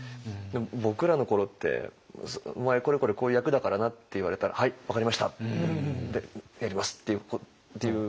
僕らの頃って「お前これこれこういう役だからな」って言われたら「はい分かりました」って「やります」っていう。